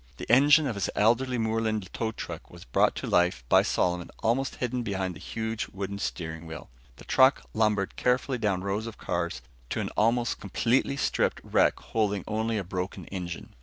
The engine of his elderly Moreland tow truck was brought to life by Solomon almost hidden behind the huge wooden steering wheel. The truck lumbered carefully down rows of cars to an almost completely stripped wreck holding only a broken engine.